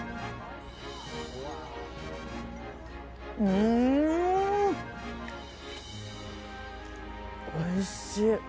うん、おいしい。